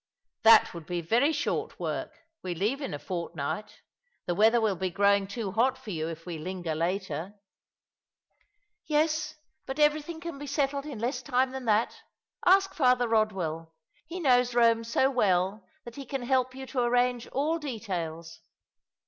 " That, would be very short work. We leave in a fortnight The weather will be growing too hot for you if we linger later." In Silken Cords. 281 " Yes, but everything can be settled in less time than that. Ask Father Eodwell. He knows Rome so well that he can help you to arrange all ddtails."